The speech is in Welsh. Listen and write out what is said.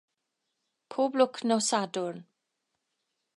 Pob lwc nos Sadwrn.